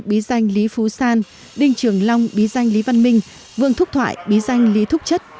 bí danh lý phú san đinh trường long bí danh lý văn minh vương thúc thoại bí danh lý thúc chất